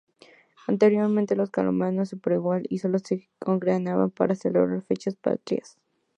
Anteriormente, los colombianos en Paraguay sólo se congregaban para celebrar fechas patrias.